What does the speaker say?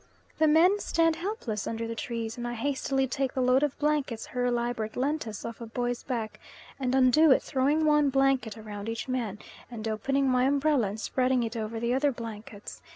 The men stand helpless under the trees, and I hastily take the load of blankets Herr Liebert lent us off a boy's back and undo it, throwing one blanket round each man, and opening my umbrella and spreading it over the other blankets.